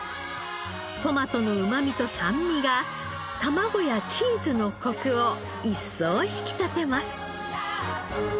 トマトのうまみと酸味が卵やチーズのコクを一層引き立てます。